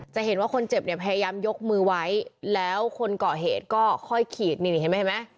จะเห็นว่าคนเจ็บเนี่ยพยายามยกมือไว้แล้วคนเกาะเหตุก็ค่อยขีดนี่เห็นไหม